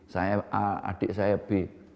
saya a adik saya b